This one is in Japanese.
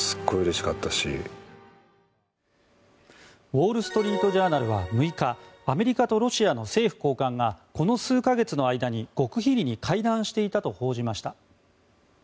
ウォール・ストリート・ジャーナルは６日アメリカとロシアの政府高官がこの数か月の間に極秘裏に会談していたと報じました。